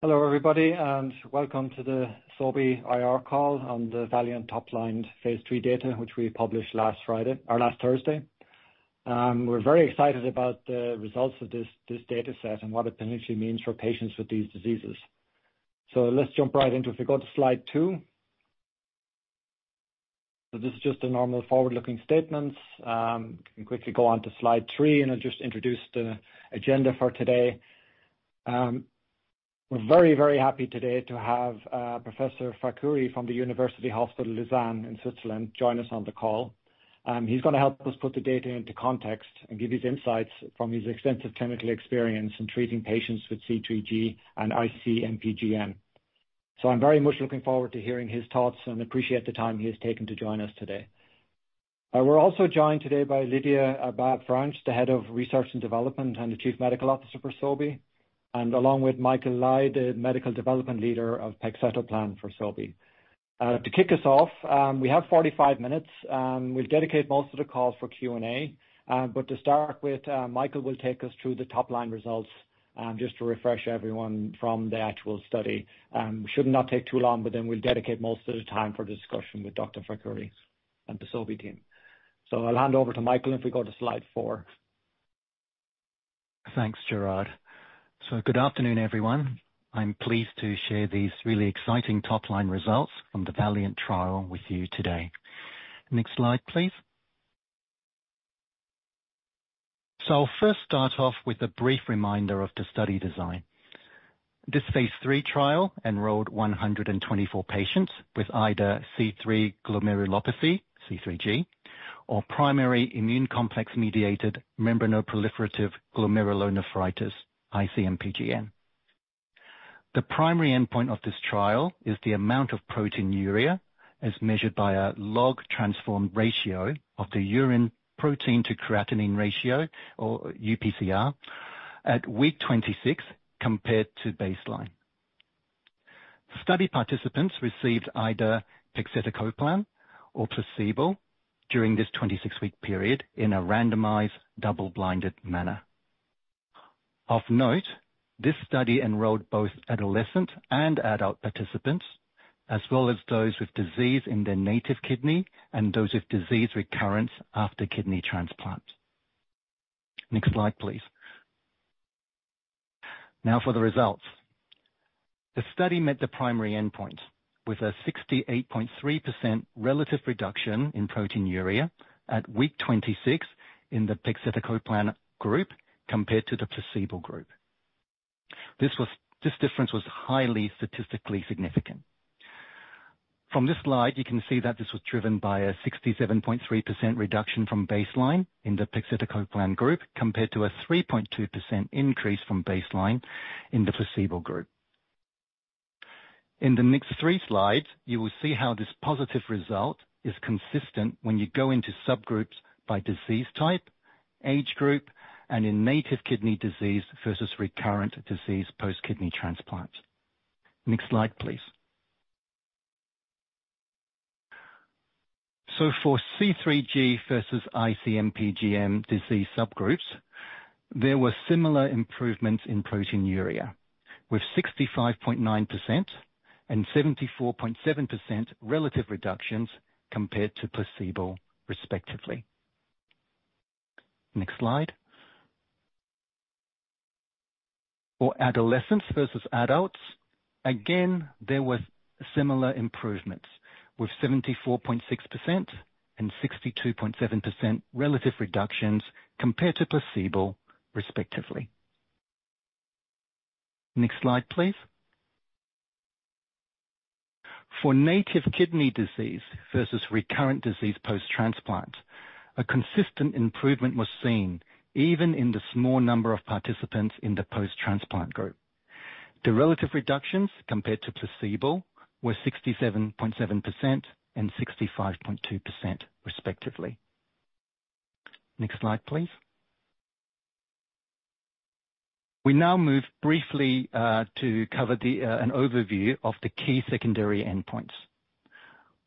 Hello, everybody, and welcome to the Sobi IR call on the VALIANT top-line phase III data, which we published last Friday or last Thursday. We're very excited about the results of this, this data set and what it potentially means for patients with these diseases. So let's jump right into it. If you go to slide two. So this is just a normal forward-looking statements. You can quickly go on to slide three, and I'll just introduce the agenda for today. We're very, very happy today to have Professor Fakhouri from the University Hospital Lausanne in Switzerland join us on the call. He's gonna help us put the data into context and give his insights from his extensive clinical experience in treating patients with C3G and IC-MPGN. So I'm very much looking forward to hearing his thoughts and appreciate the time he has taken to join us today. We're also joined today by Lydia Abad-Franch, the Head of Research and Development and the Chief Medical Officer for Sobi, and along with Michael Lai, the Medical Development Leader of pegcetacoplan for Sobi. To kick us off, we have 45 minutes. We'll dedicate most of the call for Q&A. But to start with, Michael will take us through the top-line results, just to refresh everyone from the actual study. Should not take too long, but then we'll dedicate most of the time for the discussion with Dr. Fakhouri and the Sobi team. So I'll hand over to Michael if we go to slide four. Thanks, Gerard. So good afternoon, everyone. I'm pleased to share these really exciting top-line results from the VALIANT trial with you today. Next slide, please. So I'll first start off with a brief reminder of the study design. This phase III trial enrolled 124 patients with either C3 glomerulopathy, C3G, or primary immune complex-mediated membranoproliferative glomerulonephritis, IC-MPGN. The primary endpoint of this trial is the amount of proteinuria, as measured by a log transform ratio of the urine protein to creatinine ratio, or UPCR, at week 26 compared to baseline. Study participants received either pegcetacoplan or placebo during this 26-week period in a randomized, double-blinded manner. Of note, this study enrolled both adolescent and adult participants, as well as those with disease in their native kidney and those with disease recurrence after kidney transplant. Next slide, please. Now for the results. The study met the primary endpoint with a 68.3% relative reduction in proteinuria at week 26 in the pegcetacoplan group compared to the placebo group. This difference was highly statistically significant. From this slide, you can see that this was driven by a 67.3% reduction from baseline in the pegcetacoplan group, compared to a 3.2% increase from baseline in the placebo group. In the next three slides, you will see how this positive result is consistent when you go into subgroups by disease type, age group, and in native kidney disease versus recurrent disease post-kidney transplant. Next slide, please. So for C3G versus IC-MPGN disease subgroups, there were similar improvements in proteinuria, with 65.9% and 74.7% relative reductions compared to placebo, respectively. Next slide. For adolescents versus adults, again, there was similar improvements, with 74.6% and 62.7% relative reductions compared to placebo, respectively. Next slide, please. For native kidney disease versus recurrent disease post-transplant, a consistent improvement was seen even in the small number of participants in the post-transplant group. The relative reductions compared to placebo were 67.7% and 65.2%, respectively. Next slide, please. We now move briefly to cover the an overview of the key secondary endpoints.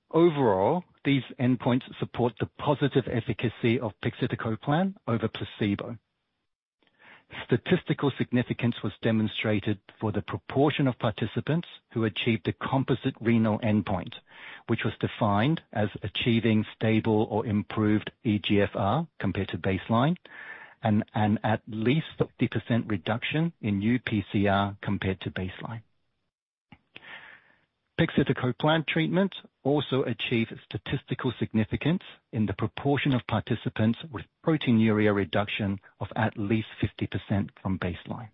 Overall, these endpoints support the positive efficacy of pegcetacoplan over placebo. Statistical significance was demonstrated for the proportion of participants who achieved a composite renal endpoint, which was defined as achieving stable or improved eGFR compared to baseline, and an at least 30% reduction in UPCR compared to baseline. Pegcetacoplan treatment also achieved statistical significance in the proportion of participants with proteinuria reduction of at least 50% from baseline.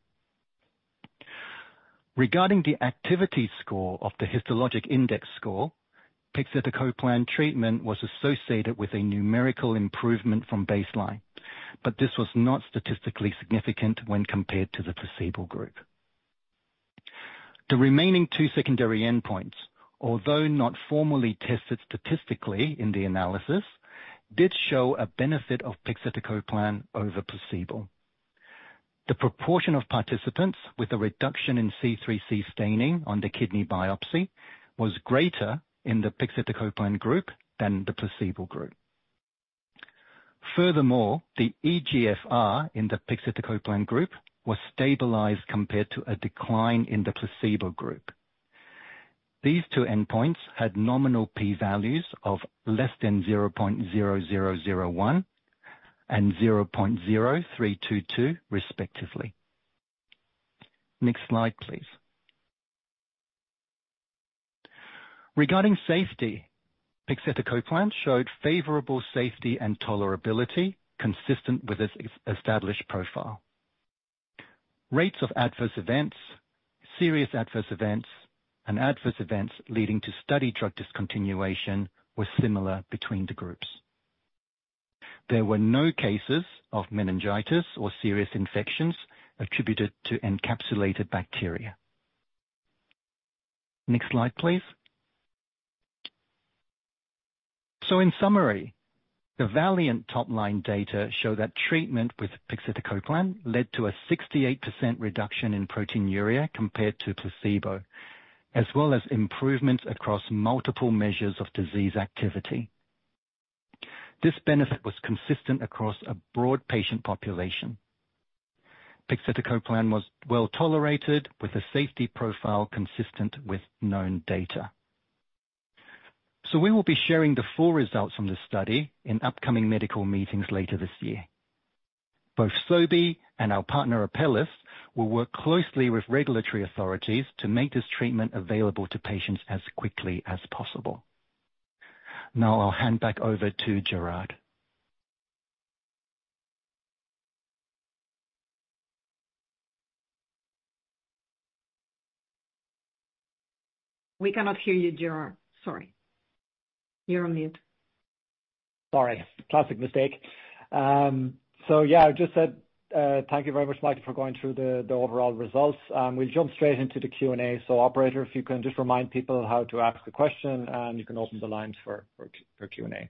Regarding the activity score of the histologic index score, pegcetacoplan treatment was associated with a numerical improvement from baseline, but this was not statistically significant when compared to the placebo group. The remaining two secondary endpoints, although not formally tested statistically in the analysis, did show a benefit of pegcetacoplan over placebo. The proportion of participants with a reduction in C3c staining on the kidney biopsy was greater in the pegcetacoplan group than the placebo group. Furthermore, the eGFR in the pegcetacoplan group was stabilized compared to a decline in the placebo group. These two endpoints had nominal P values of less than 0.0001 and 0.0322, respectively. Next slide, please. Regarding safety, pegcetacoplan showed favorable safety and tolerability consistent with its established profile. Rates of adverse events, serious adverse events, and adverse events leading to study drug discontinuation were similar between the groups. There were no cases of meningitis or serious infections attributed to encapsulated bacteria. Next slide, please. In summary, the VALIANT top-line data show that treatment with pegcetacoplan led to a 68% reduction in proteinuria compared to placebo, as well as improvements across multiple measures of disease activity. This benefit was consistent across a broad patient population. Pegcetacoplan was well tolerated, with a safety profile consistent with known data. We will be sharing the full results from this study in upcoming medical meetings later this year. Both Sobi and our partner, Apellis, will work closely with regulatory authorities to make this treatment available to patients as quickly as possible. Now I'll hand back over to Gerard. We cannot hear you, Gerard. Sorry. You're on mute. Sorry. Classic mistake. So yeah, I just said, thank you very much, Mike, for going through the overall results. We'll jump straight into the Q&A. So operator, if you can just remind people how to ask a question, and you can open the lines for Q&A.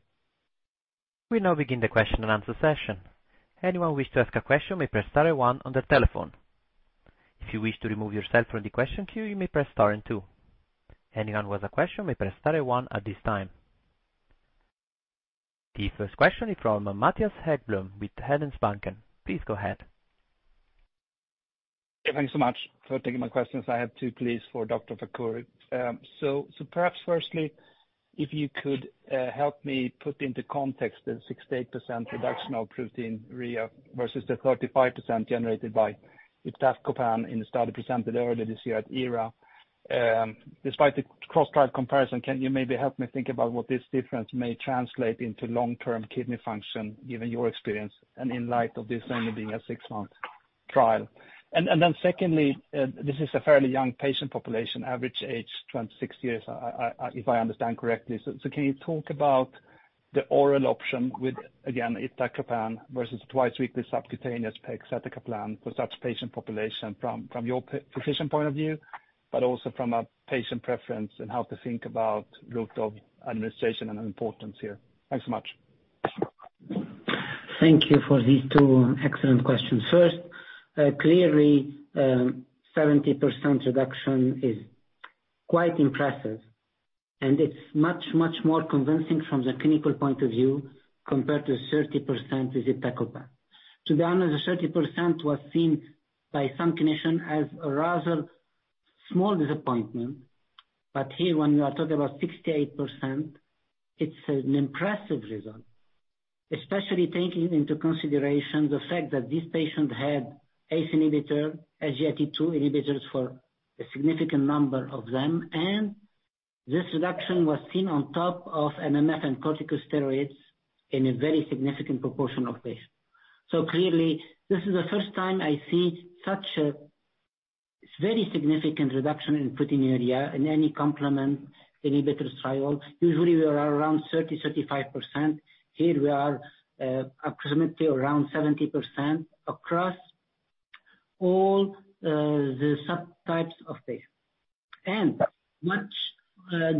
We now begin the question and answer session. Anyone wish to ask a question may press star one on the telephone. If you wish to remove yourself from the question queue, you may press star and two. Anyone with a question may press star one at this time. The first question is from Mattias Häggblom with Handelsbanken. Please go ahead. Thank you so much for taking my questions. I have two, please, for Dr. Fakhouri. So perhaps firstly, if you could help me put into context the 68% reduction of proteinuria versus the 35% generated by iptacopan in the study presented earlier this year at ERA. Despite the cross-trial comparison, can you maybe help me think about what this difference may translate into long-term kidney function, given your experience and in light of this only being a six-month trial? And then secondly, this is a fairly young patient population, average age 26 years, if I understand correctly. So, can you talk about the oral option with, again, iptacopan versus twice-weekly subcutaneous pegcetacoplan for such patient population from your physician point of view, but also from a patient preference and how to think about route of administration and importance here? Thanks so much. Thank you for these two excellent questions. First, clearly, 70% reduction is quite impressive, and it's much, much more convincing from the clinical point of view compared to 30% with iptacopan. To be honest, the 30% was seen by some clinicians as a rather small disappointment, but here, when we are talking about 68%, it's an impressive result, especially taking into consideration the fact that these patients had ACE inhibitor, SGLT2 inhibitors for a significant number of them, and this reduction was seen on top of MMF and corticosteroids in a very significant proportion of patients. So clearly, this is the first time I see such a very significant reduction in proteinuria in any complement inhibitor trial. Usually, we are around 30, 35%. Here we are, approximately around 70% across all, the subtypes of patients. Much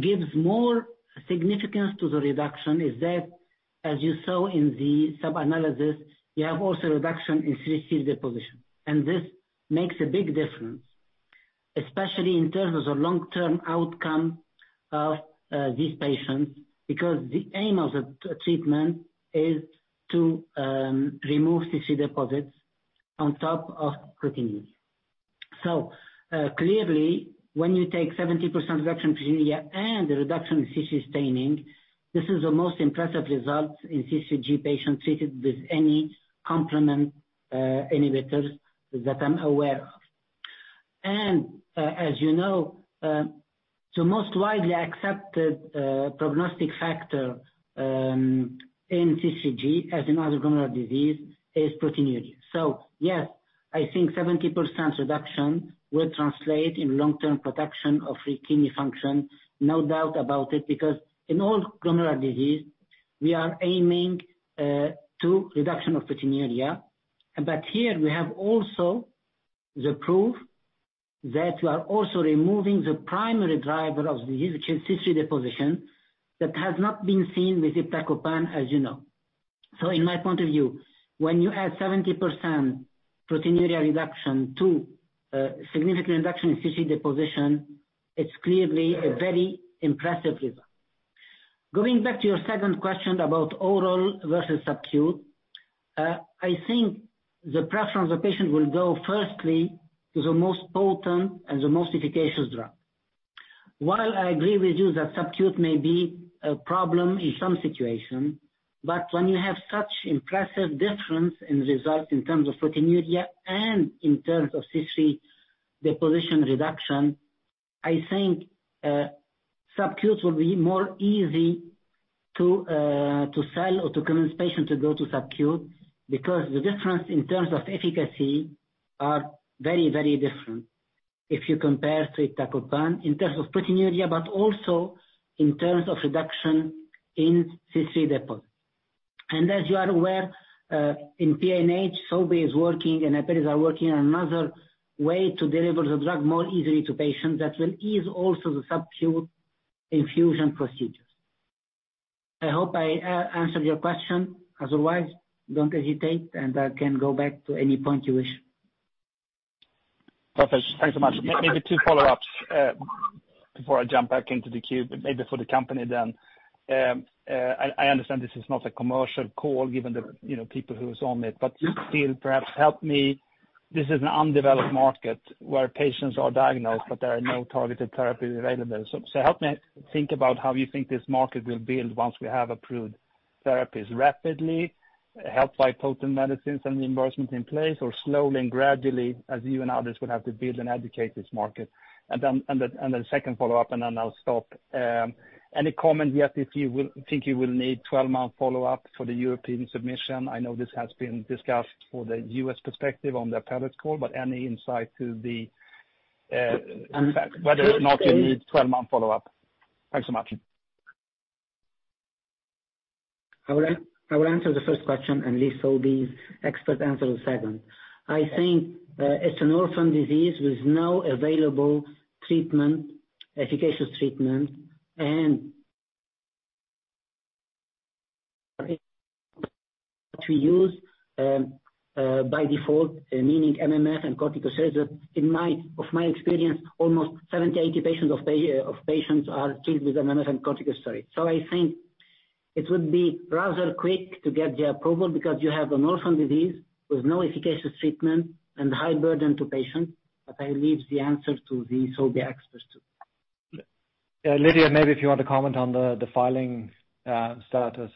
gives more significance to the reduction, in that as you saw in the sub-analysis, you have also reduction in C3 deposition, and this makes a big difference, especially in terms of the long-term outcome of these patients, because the aim of the treatment is to remove C3 deposits on top of proteinuria. So, clearly, when you take 70% reduction in proteinuria and the reduction in C3 staining, this is the most impressive result in C3G patients treated with any complement inhibitors that I'm aware of. And as you know, the most widely accepted prognostic factor in C3G, as in other glomerular disease, is proteinuria. So yes, I think 70% reduction will translate in long-term protection of kidney function, no doubt about it, because in all glomerular disease, we are aiming to reduction of proteinuria. But here we have also the proof that we are also removing the primary driver of the C3 deposition that has not been seen with iptacopan, as you know. So in my point of view, when you add 70% proteinuria reduction to significant reduction in C3 deposition. It's clearly a very impressive result. Going back to your second question about oral versus subcu, I think the preference of the patient will go firstly to the most potent and the most efficacious drug. While I agree with you that subcu may be a problem in some situation, but when you have such impressive difference in results in terms of proteinuria and in terms of C3c deposition reduction, I think, subcus will be more easy to, to sell or to convince patients to go to subcu, because the difference in terms of efficacy are very, very different if you compare to tacrolimus, in terms of proteinuria, but also in terms of reduction in C3c deposit. And as you are aware, in PNH, Sobi is working and Apellis are working on another way to deliver the drug more easily to patients that will ease also the subcu infusion procedures. I hope I, answered your question. Otherwise, don't hesitate, and I can go back to any point you wish. Perfect. Thanks so much. Maybe two follow-ups, before I jump back into the queue, but maybe for the company then. I understand this is not a commercial call, given the, you know, people who is on it, but you still perhaps help me. This is an undeveloped market where patients are diagnosed, but there are no targeted therapies available. So help me think about how you think this market will build once we have approved therapies. Rapidly, helped by potent medicines and the investments in place, or slowly and gradually, as you and others would have to build and educate this market? And then second follow-up, and then I'll stop. Any comment yet if you will think you will need 12-month follow-up for the European submission? I know this has been discussed for the U.S. perspective on the Apellis call, but any insight to the, in fact, whether or not you need 12-month follow-up? Thanks so much. I will answer the first question, and leave Sobi's expert answer the second. I think it's an orphan disease with no available treatment, efficacious treatment, and to use by default, meaning MMF and corticosteroid. In my experience, almost 70%-80% of patients are treated with MMF and corticosteroids. So I think it would be rather quick to get the approval, because you have an orphan disease with no efficacious treatment and high burden to patients, but I leave the answer to the Sobi experts too. Lydia, maybe if you want to comment on the filing status.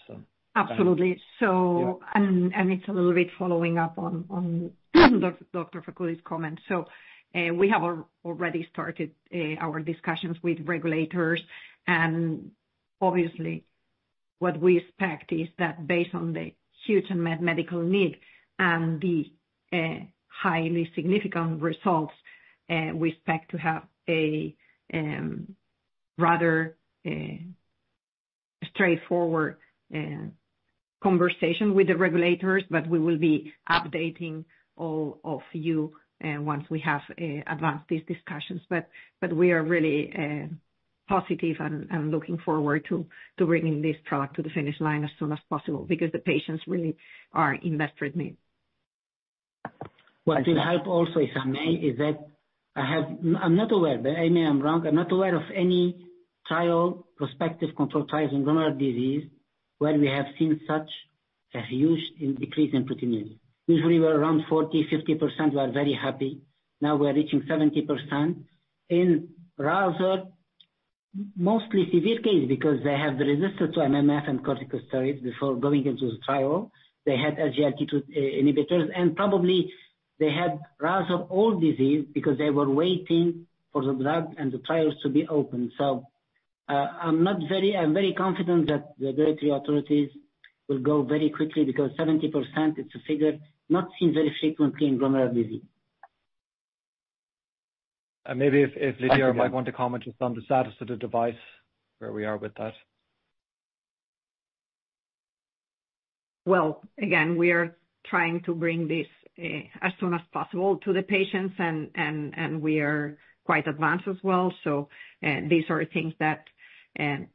Absolutely. So- Yeah. It's a little bit following up on Dr. Fakhouri's comments. So, we have already started our discussions with regulators, and obviously what we expect is that based on the huge medical need and the highly significant results, we expect to have a rather straightforward conversation with the regulators. But we will be updating all of you once we have advanced these discussions. But we are really positive and looking forward to bringing this product to the finish line as soon as possible, because the patients really are in desperate need. What will help also, if I may, is that I have... I'm not aware, but I may be wrong. I'm not aware of any trial, prospective controlled trials in glomerular disease, where we have seen such a huge decrease in proteinuria. Usually, we're around 40%-50%; we are very happy. Now, we are reaching 70% in rather mostly severe case, because they have resisted to MMF and corticosteroids before going into the trial. They had SGLT2 inhibitors, and probably they had rather old disease, because they were waiting for the drug and the trials to be open. So, I'm very confident that the regulatory authorities will go very quickly, because 70% is a figure not seen very frequently in glomerular disease. Maybe if Lydia might want to comment just on the status of the device, where we are with that. Well, again, we are trying to bring this as soon as possible to the patients, and we are quite advanced as well. So, these are things that,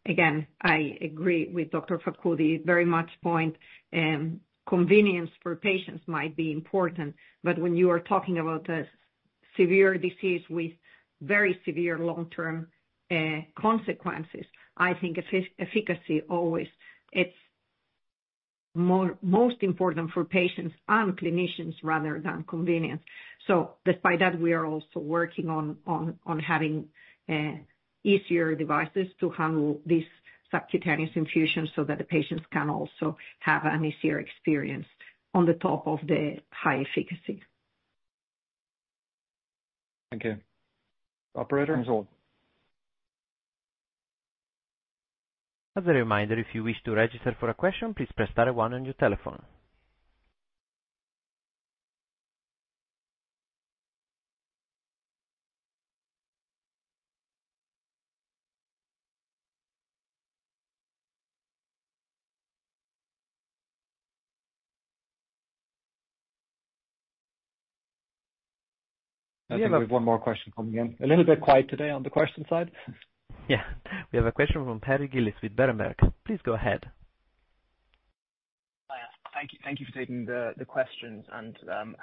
again, I agree with Dr. Fakhouri very much point, convenience for patients might be important, but when you are talking about a severe disease with very severe long-term consequences, I think efficacy always, it's more, most important for patients and clinicians rather than convenience. So despite that, we are also working on having easier devices to handle these subcutaneous infusions, so that the patients can also have an easier experience on the top of the high efficacy. Thank you. Operator? As a reminder, if you wish to register for a question, please press star one on your telephone. I think we have one more question coming in. A little bit quiet today on the question side. Yeah, we have a question from Harry Gillis with Berenberg. Please go ahead. Thank you for taking the questions and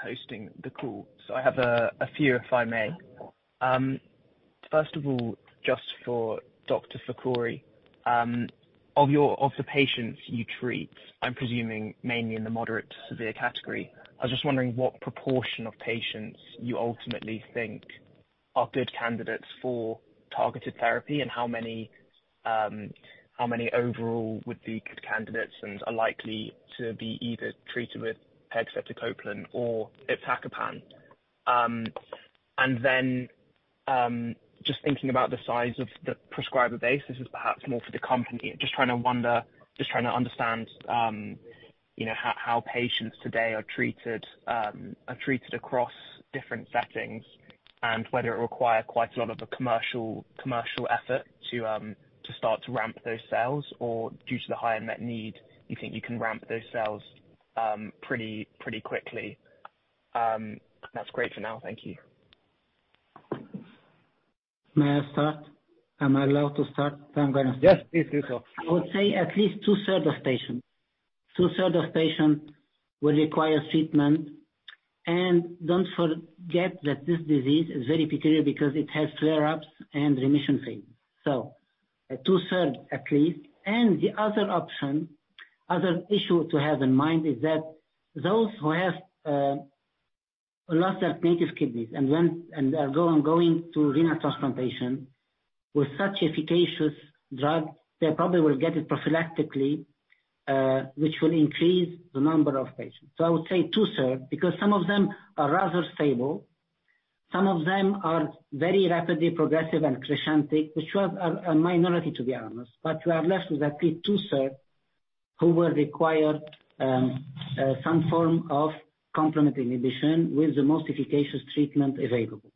hosting the call. So I have a few, if I may. First of all, just for Dr. Fakhouri, of the patients you treat, I'm presuming mainly in the moderate to severe category, I was just wondering what proportion of patients you ultimately think are good candidates for targeted therapy, and how many overall would be good candidates and are likely to be either treated with pegcetacoplan or iptacopan? And then, just thinking about the size of the prescriber base, this is perhaps more for the company. Just trying to understand, you know, how patients today are treated across different settings, and whether it require quite a lot of a commercial effort to start to ramp those sales, or due to the high unmet need, you think you can ramp those sales pretty quickly. That's great for now. Thank you. May I start? Am I allowed to start? I'm gonna start. Yes, please do so. I would say at least 2/3 of patients. 2/3 of patients will require treatment. And don't forget that this disease is very peculiar because it has flare-ups and remission phase. So at 2/3, at least. And the other option, other issue to have in mind, is that those who have lost their native kidneys and went and are going to renal transplantation with such efficacious drug, they probably will get it prophylactically, which will increase the number of patients. So I would say 2/3, because some of them are rather stable, some of them are very rapidly progressive and crescentic, which was a minority, to be honest, but we are left with at least 2/3, who will require some form of complement inhibition with the most efficacious treatment available.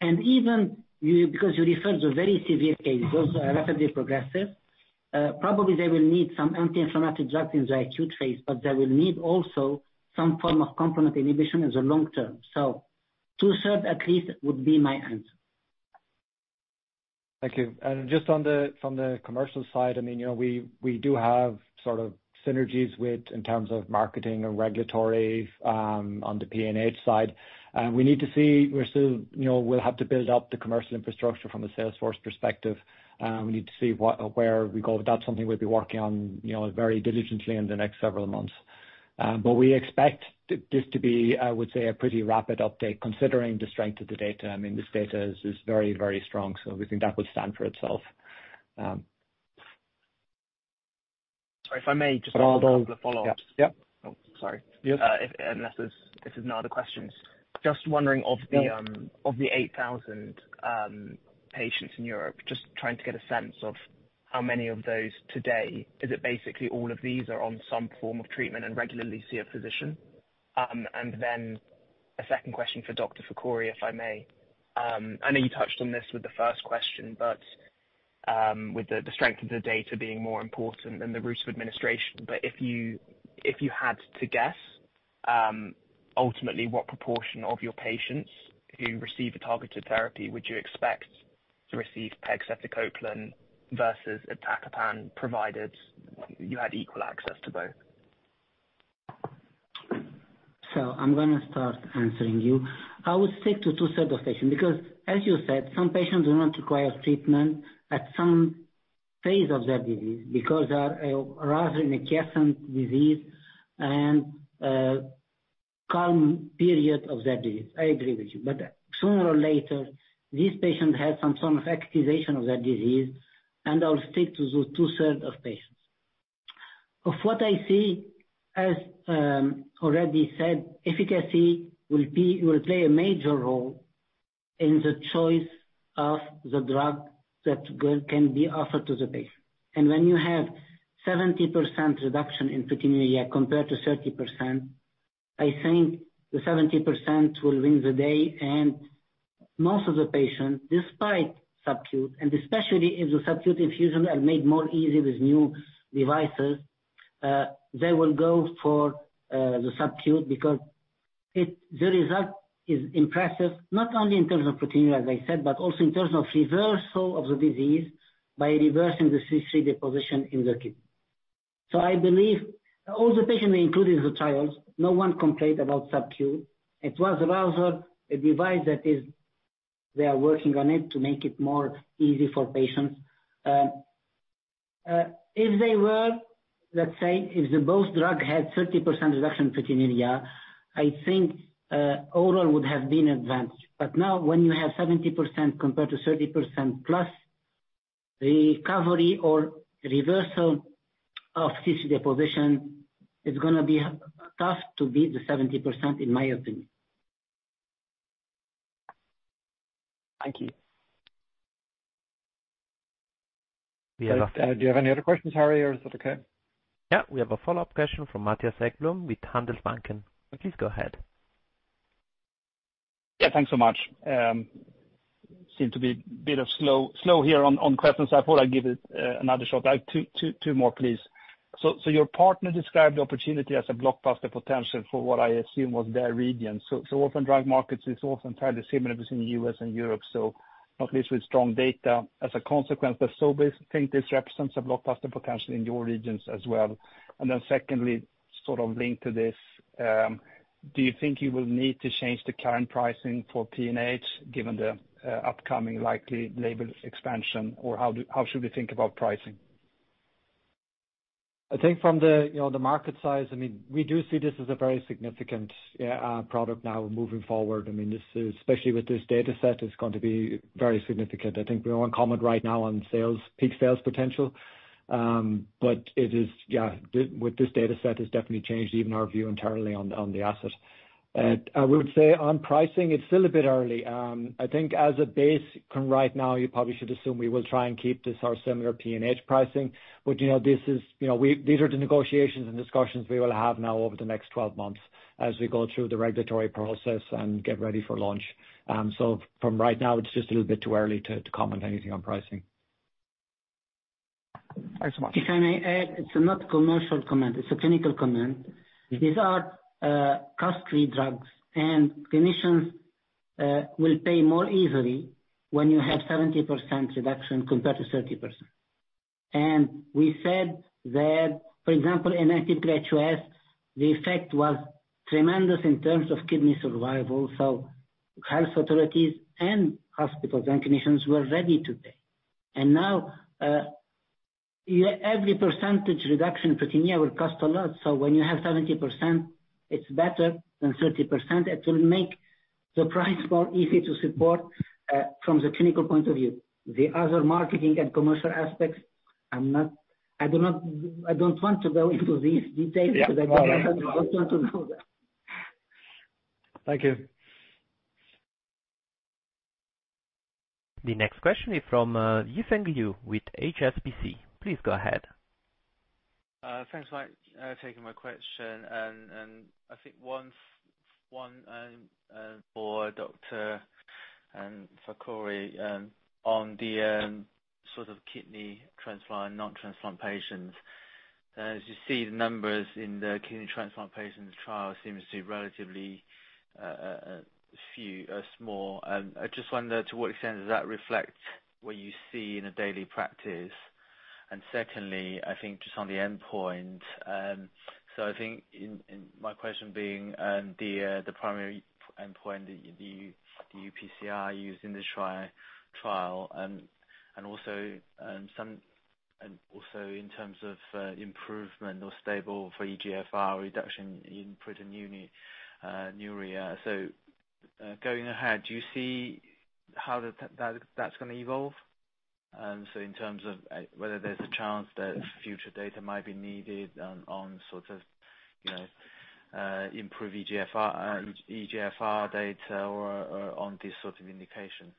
And even you, because you referred to very severe cases, those are rapidly progressive, probably they will need some anti-inflammatory drugs in the acute phase, but they will need also some form of complement inhibition as a long-term. So 2/3, at least, would be my answer. Thank you. Just on the, from the commercial side, I mean, you know, we do have sort of synergies with, in terms of marketing and regulatory, on the PNH side. And we need to see... We're still, you know, we'll have to build up the commercial infrastructure from a sales force perspective. We need to see where we go, but that's something we'll be working on, you know, very diligently in the next several months. But we expect this to be, I would say, a pretty rapid update, considering the strength of the data. I mean, this data is very, very strong, so we think that will stand for itself. Sorry, if I may, just a couple of follow-ups. Yeah. Yeah. Oh, sorry. Yes. Just wondering of the eight thousand patients in Europe, just trying to get a sense of how many of those today, is it basically all of these are on some form of treatment and regularly see a physician? And then a second question for Dr. Fakhouri, if I may. I know you touched on this with the first question, but with the strength of the data being more important than the route of administration, but if you had to guess, ultimately, what proportion of your patients who receive a targeted therapy would you expect to receive pegcetacoplan versus iptacopan, provided you had equal access to both? I'm gonna start answering you. I would stick to 2/3 of patients, because as you said, some patients do not require treatment at some phase of their disease, because they are rather in a quiescent disease and calm period of their disease. I agree with you. But sooner or later, these patients have some form of activation of their disease, and I'll stick to the 2/3 of patients. Of what I see, as already said, efficacy will play a major role in the choice of the drug that can be offered to the patient. And when you have 70% reduction in proteinuria compared to 30%, I think the 70% will win the day. And most of the patients, despite subcutaneous, and especially if the subcutaneous infusion are made more easy with new devices, they will go for the subcutaneous because it, the result is impressive, not only in terms of proteinuria, as I said, but also in terms of reversal of the disease by reversing the C3 deposition in the kidney. So I believe all the patients included in the trials, no one complained about subcutaneous. It was rather a device that is, they are working on it to make it more easy for patients. If they were, let's say, if the both drug had 30% reduction in proteinuria, I think overall would have been advantage. But now, when you have 70% compared to 30%, plus recovery or reversal of C3 deposition, it's gonna be tough to beat the 70%, in my opinion. Thank you. We have- Do you have any other questions, Harry, or is that okay? Yeah, we have a follow-up question from Mattias Häggblom with Handelsbanken. Please go ahead. Yeah, thanks so much. Seem to be a bit slow here on questions, so I thought I'd give it another shot. I have two more, please. So, your partner described the opportunity as a blockbuster potential for what I assume was their region. So, often drug markets is often fairly similar between the U.S. and Europe, not least with strong data as a consequence, but think this represents a blockbuster potential in your regions as well? And then secondly, sort of linked to this, do you think you will need to change the current pricing for PNH, given the upcoming likely label expansion, or how should we think about pricing? I think from the, you know, the market size, I mean, we do see this as a very significant, yeah, product now moving forward. I mean, this is, especially with this data set, is going to be very significant. I think we won't comment right now on sales, peak sales potential, but it is, yeah, with this data set, has definitely changed even our view internally on, on the asset. I would say on pricing, it's still a bit early. I think as a base right now, you probably should assume we will try and keep this our similar PNH pricing, but, you know, this is, you know, these are the negotiations and discussions we will have now over the next 12 months as we go through the regulatory process and get ready for launch. So from right now, it's just a little bit too early to comment anything on pricing. Thanks so much. If I may add, it's not commercial comment, it's a clinical comment. These are costly drugs, and clinicians will pay more easily when you have 70% reduction compared to 30%. And we said that, for example, in active graduate, the effect was tremendous in terms of kidney survival, so health authorities and hospitals and clinicians were ready to pay. And now, yeah, every percentage reduction in proteinuria will cost a lot. So when you have 70%, it's better than 30%. It will make the price more easy to support from the clinical point of view. The other marketing and commercial aspects, I don't want to go into these details- Yeah. Because I don't want to know that. Thank you. The next question is from, Yifeng Liu with HSBC. Please go ahead. Thanks for taking my question. And I think one for Dr. Fakhouri on the sort of kidney transplant, non-transplant patients. As you see, the numbers in the kidney transplant patients trial seems to be relatively few, small. I just wonder to what extent does that reflect what you see in a daily practice? And secondly, I think just on the endpoint, so I think in my question being the primary endpoint, the UPCR used in the trial, and also in terms of improvement or stable for eGFR reduction in proteinuria. So going ahead, do you see how that's going to evolve? And so in terms of whether there's a chance that future data might be needed, on sort of, you know, improved eGFR, eGFR data or on this sort of indication,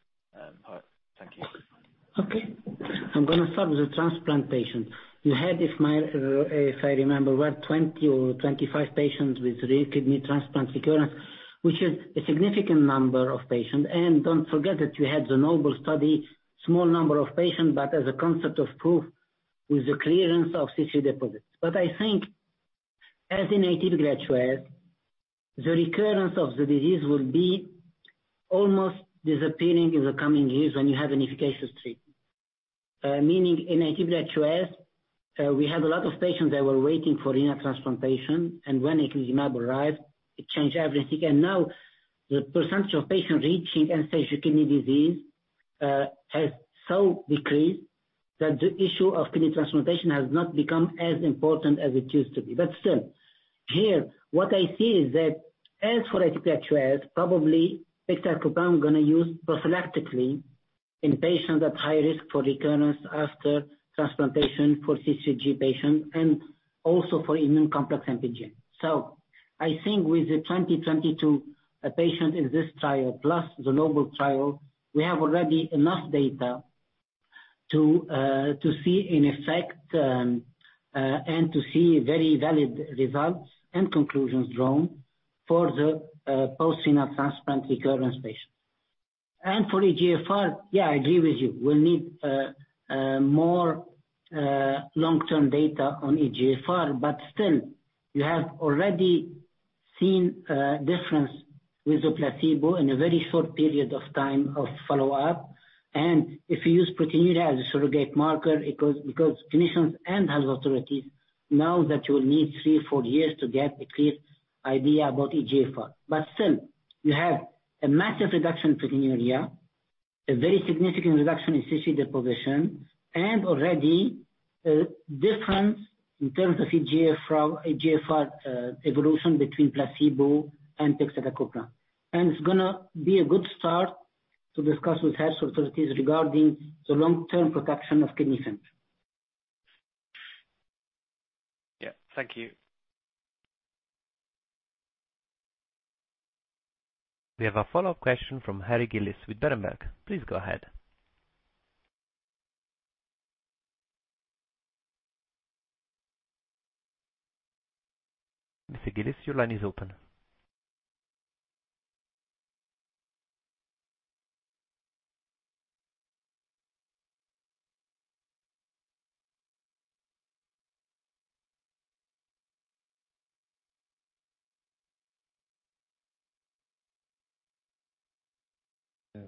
thank you. Okay. I'm going to start with the transplant patient. You had, if I remember well, 20 or 25 patients with recurrent kidney transplant recurrence, which is a significant number of patients. And don't forget that you had the NOBLE study, small number of patients, but as a proof of concept, with the clearance of C3 deposits. But I think as in aHUS, the recurrence of the disease will be almost disappearing in the coming years when you have an efficacious treatment. Meaning in aHUS, we had a lot of patients that were waiting for renal transplantation, and when eculizumab arrived, it changed everything. And now, the percentage of patients reaching end-stage kidney disease has so decreased, that the issue of kidney transplantation has not become as important as it used to be. But still, here, what I see is that as for C3G, probably pegcetacoplan gonna use prophylactically in patients at high risk for recurrence after transplantation, for C3G patients, and also for immune complex MPGN. So I think with the 22 patient in this trial, plus the NOBLE trial, we have already enough data to see an effect, and to see very valid results and conclusions drawn for the post-renal transplant recurrence patient. For eGFR, yeah, I agree with you. We'll need more long-term data on eGFR, but still, you have already seen a difference with the placebo in a very short period of time of follow-up. If you use proteinuria as a surrogate marker, because clinicians and health authorities know that you will need three, four years to get a clear idea about eGFR. But still, you have a massive reduction in proteinuria, a very significant reduction in C3c deposition, and already a difference in terms of eGFR, eGFR evolution between placebo and pegcetacoplan. And it's gonna be a good start to discuss with health authorities regarding the long-term protection of kidney function. Yeah, thank you. We have a follow-up question from Harry Gillis with Berenberg. Please go ahead. Mr. Gillis, your line is open.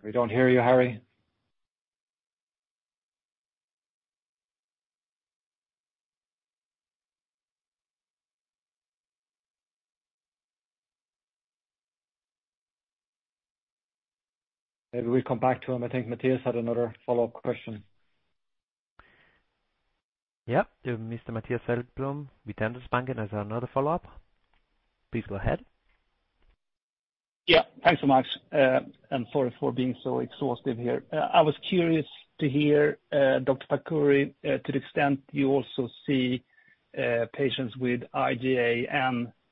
We don't hear you, Harry. Maybe we come back to him. I think Mattias had another follow-up question. Yeah. Mr. Mattias Häggblom, Handelsbanken, has another follow-up. Please go ahead. Yeah, thanks so much. Sorry for being so exhaustive here. I was curious to hear, Dr. Fakhouri, to the extent you also see patients with IgA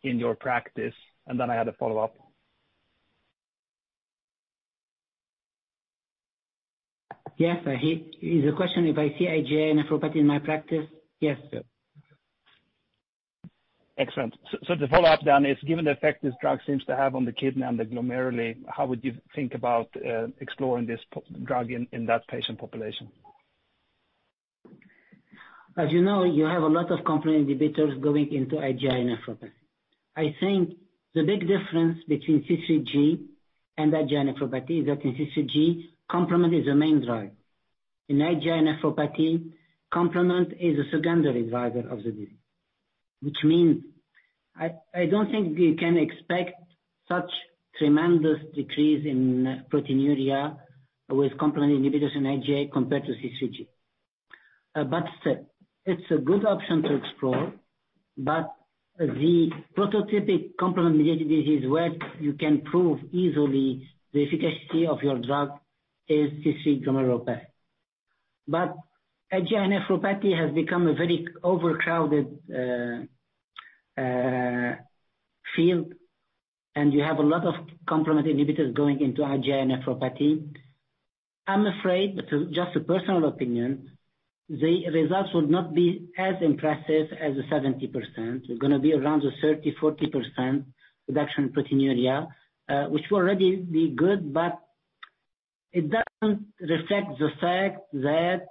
in your practice, and then I had a follow-up. Yes. Is the question if I see IgA nephropathy in my practice? Yes, sir. Excellent. So the follow-up then is, given the effect this drug seems to have on the kidney and the glomeruli, how would you think about exploring this drug in that patient population? As you know, you have a lot of complement inhibitors going into IgA nephropathy. I think the big difference between C3G and IgA nephropathy is that in C3G, complement is the main drive. In IgA nephropathy, complement is a secondary driver of the disease. Which means I, I don't think we can expect such tremendous decrease in proteinuria with complement inhibitors in IgA compared to C3G. But still, it's a good option to explore, but the prototypic complement-mediated disease, where you can prove easily the efficacy of your drug is C3G. But IgA nephropathy has become a very overcrowded field, and you have a lot of complement inhibitors going into IgA nephropathy. I'm afraid, but just a personal opinion, the results will not be as impressive as the 70%. They're gonna be around the 30%-40% reduction in proteinuria, which will already be good, but it doesn't reflect the fact that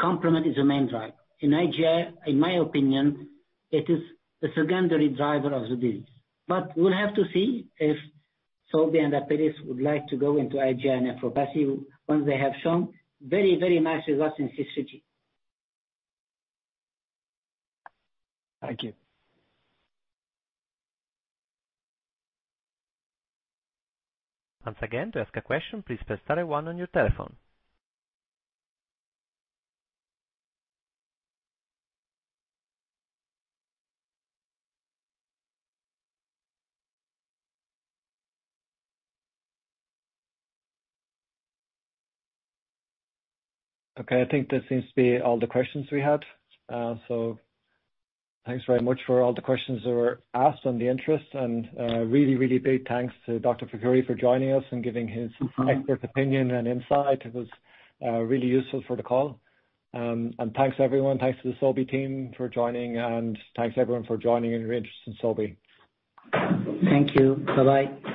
complement is the main drive. In IgA, in my opinion, it is a secondary driver of the disease. But we'll have to see if Sobi and Apellis would like to go into IgA nephropathy once they have shown very, very nice results in C3G. Thank you. Once again, to ask a question, please press star one on your telephone. Okay, I think this seems to be all the questions we had. So thanks very much for all the questions that were asked and the interest, and really, really big thanks to Dr. Fakhouri for joining us and giving his expert opinion and insight. It was really useful for the call. And thanks, everyone. Thanks to the Sobi team for joining, and thanks everyone for joining and your interest in Sobi. Thank you. Bye-bye. Thank you.